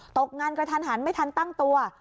ตกงานกระทันหันไม่ทันตั้งตัว